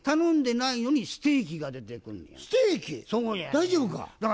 大丈夫か？